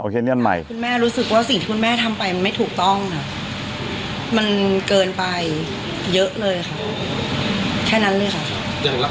คุณแม่รู้สึกว่าสิ่งที่คุณแม่ทำไปมันไม่ถูกต้องค่ะมันเกินไปเยอะเลยค่ะแค่นั้นเลยค่ะ